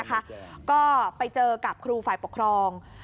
ก็ไปเจอกับครูฝ่ายปกครอง